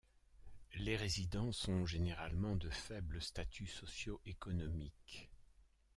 Les résidents sont généralement de faible statut socio-économique.